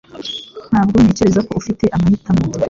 Ntabwo ntekereza ko ufite amahitamo